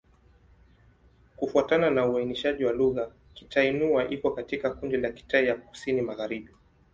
Kufuatana na uainishaji wa lugha, Kitai-Nüa iko katika kundi la Kitai ya Kusini-Magharibi.